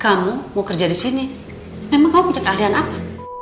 kamu mau kerja disini memang kamu punya keahlian apa